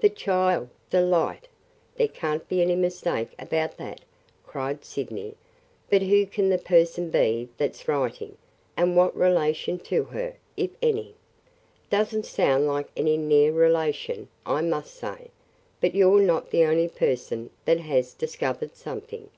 "'The child, Delight'! There can't be any mistake about that!" cried Sydney. "But who can the person be that 's writing, and what relation to her – if any? Does n't sound like any near relation, I must say! But you 're not the only person that has discovered something.